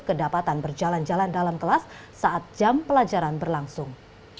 kedapatan berjalan jalan dalam kelas saat jam pelajaran berlangsung